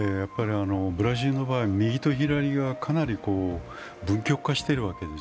ブラジルの場合、右と左がかなり分極化しているわけです。